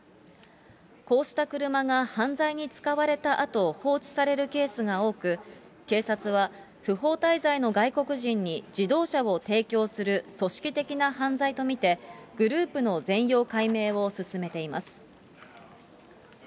こうした車が犯罪に使われたあと放置されるケースが多く、警察は不法滞在の外国人に、自動車を提供する組織的な犯罪と見て、グループの全容解明を進めています。